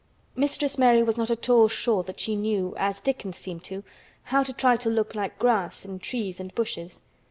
Mistress Mary was not at all sure that she knew, as Dickon seemed to, how to try to look like grass and trees and bushes.